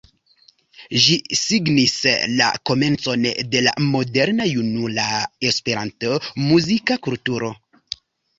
Ĝi signis la komencon de la moderna junula Esperanto-muzika kulturo.